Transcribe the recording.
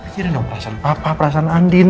kira kira perasaan papa perasaan andin